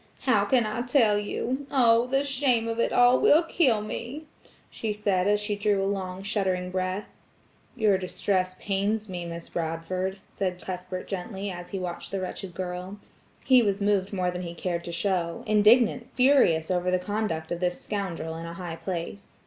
"How can I tell you? Oh! the shame of it all will kill me," she said as she drew a long shuddering breath. "Your distress pains me, Miss Bradford," said Cuthbert gently as he watched the wretched girl; he was moved more than he cared to show–indignant–furious over the conduct of this scoundrel in a high place.